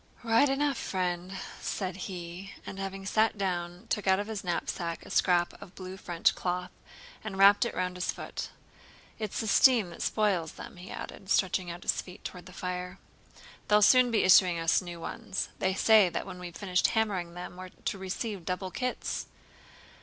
"Right enough, friend," said he, and, having sat down, took out of his knapsack a scrap of blue French cloth, and wrapped it round his foot. "It's the steam that spoils them," he added, stretching out his feet toward the fire. "They'll soon be issuing us new ones. They say that when we've finished hammering them, we're to receive double kits!"